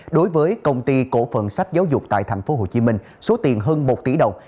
đối với công ty cổ phận sách giáo dục tại tp hcm số tiền hơn một tỷ đồng